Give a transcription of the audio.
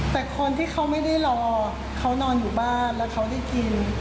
แต่คนที่เขาไม่ได้รอเขานอนอยู่บ้านแล้วเขาได้กิน